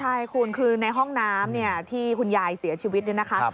ใช่คุณคือในห้องน้ำที่คุณยายเสียชีวิตเนี่ยนะคะ